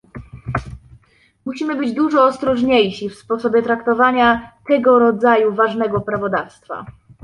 Musimy być dużo ostrożniejsi w sposobie traktowania tego rodzaju ważnego prawodawstwa